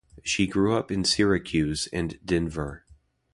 She grew up in Syracuse and Denver.